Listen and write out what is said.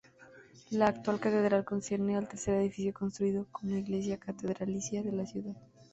La actual catedral concierne al tercer edificio construido como iglesia catedralicia de la ciudad.